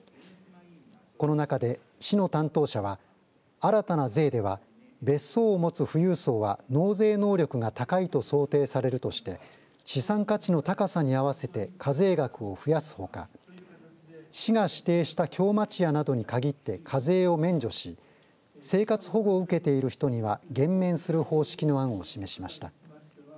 この中で、市の担当者は新たな税では別荘を持つ富裕層は納税能力が高いと想定されるとして資産価値の高さに合わせて課税額を増やすほか市が指定した京町屋などにかぎって課税を免除し生活保護を受けている人には減免する方式の案を示しました。